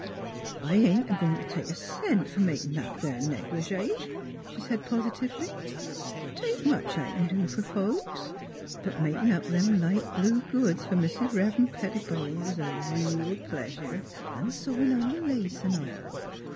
" I ain't a goin' t' take a cent for makin' that there negligee," she said positively. ;' Tain't much I kin do fer folks, but makin' up them light blue goods f'r Mis' Rev'ren' Pettibone was a reel pleasure, 'n' sewin' on th' lace 'n' all.